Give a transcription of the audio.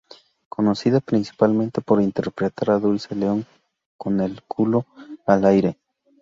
Conocida principalmente por interpretar a Dulce en la Con el culo al aire.